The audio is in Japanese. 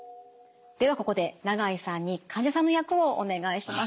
ではここで永井さんに患者さんの役をお願いします。